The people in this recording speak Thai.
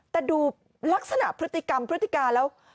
แต่ดูลักษณะพฤติกรรมพฤติการแล้ว